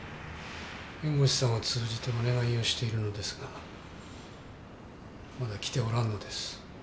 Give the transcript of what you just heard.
弁護士さんを通じてお願いをしているのですがまだ来ておらんのです。